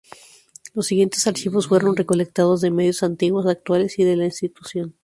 Los siguientes archivos fueron recolectados de medios antiguos, actuales y de la institución.